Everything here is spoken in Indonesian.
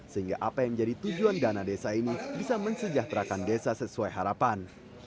sehingga apa yang menjadi tujuan dana desa ini bisa mensejahterakan desa sesuai harapan